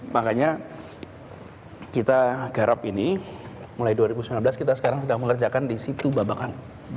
makanya kita garap ini mulai dua ribu sembilan belas kita sekarang sedang mengerjakan di situ babakan